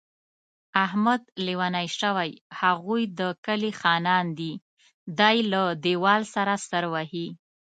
احمد لېونی شوی، هغوی د کلي خانان دي. دی له دېوال سره سر وهي.